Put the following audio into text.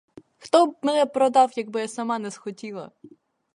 Хто б мене продав, якби я сама не схотіла?